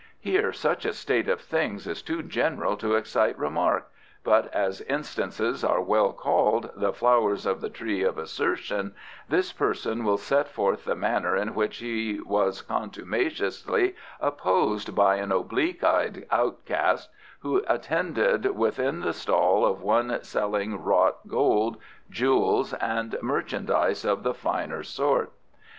Here such a state of things is too general to excite remark, but as instances are well called the flowers of the tree of assertion, this person will set forth the manner in which he was contumaciously opposed by an oblique eyed outcast who attended within the stall of one selling wrought gold, jewels, and merchandise of the finer sort.